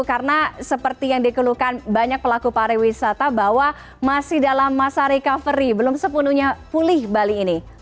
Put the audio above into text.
karena seperti yang dikelukan banyak pelaku pariwisata bahwa masih dalam masa recovery belum sepenuhnya pulih bali ini